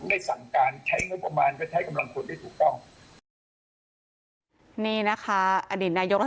ถึงได้สั่งการใช้เงินประมาณไปใช้กำลังกดได้ถูกก้อง